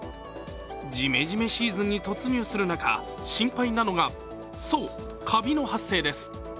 じめじめシーズンに突入する中、心配なのがそう、カビの発生です。